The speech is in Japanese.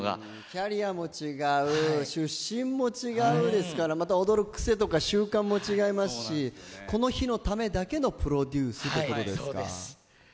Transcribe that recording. キャリアも違う出身も違うですからまた踊る癖とか習慣も違いますしこの日のためだけのプロデュースということですか。